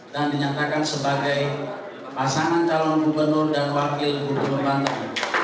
dan dinyatakan sebagai pasangan calon gubernur dan wakil gubernur banten